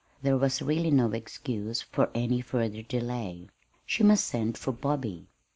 There was really no excuse for any further delay. She must send for Bobby.